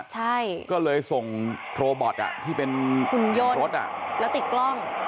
ใช่ก็เลยส่งโทรบอทอ่ะที่เป็นหุ่นยนต์อ่ะแล้วติดกล้อง